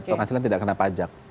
penghasilan tidak kena pajak